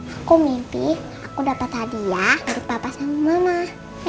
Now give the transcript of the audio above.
aku mimpi aku dapat hadiah dari papa sama mama